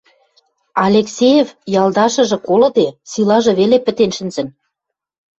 Алексеев ялдашыжы колыде, силажы веле пӹтен шӹнзӹн...